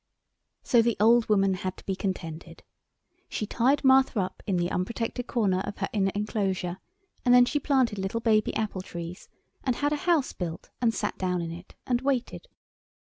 So the old woman had to be contented. She tied Martha up in the unprotected corner of her inner enclosure and then she planted little baby apple trees and had a house built and sat down in it and waited.